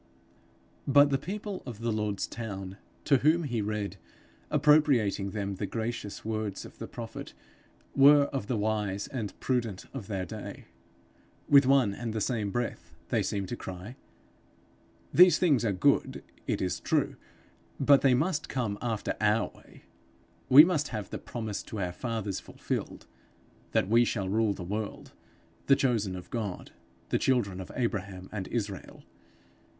But the people of the Lord's town, to whom he read, appropriating them, the gracious words of the prophet, were of the wise and prudent of their day. With one and the same breath, they seem to cry, 'These things are good, it is true, but they must come after our way. We must have the promise to our fathers fulfilled that we shall rule the world, the chosen of God, the children of Abraham and Israel.